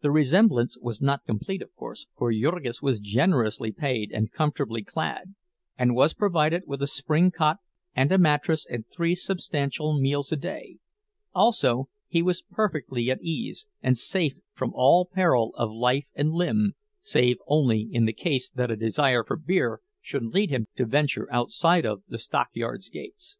The resemblance was not complete, of course, for Jurgis was generously paid and comfortably clad, and was provided with a spring cot and a mattress and three substantial meals a day; also he was perfectly at ease, and safe from all peril of life and limb, save only in the case that a desire for beer should lead him to venture outside of the stockyards gates.